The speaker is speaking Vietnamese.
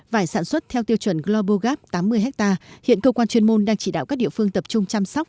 vải sản xuất theo tiêu chuẩn global gap tám mươi ha hiện cơ quan chuyên môn đang chỉ đạo các địa phương tập trung chăm sóc